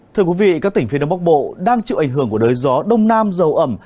thưa quý vị các tỉnh phía đông bắc bộ đang chịu ảnh hưởng của đới gió đông nam dầu ẩm